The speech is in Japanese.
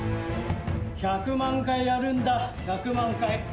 １００万回やるんだ、１００万回。